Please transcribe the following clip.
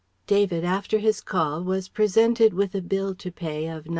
David after his call was presented with a bill to pay of £99.